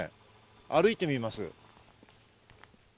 歩いてみます。